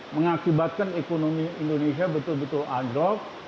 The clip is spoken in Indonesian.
mengakibatkan ekonomi indonesia betul betul adob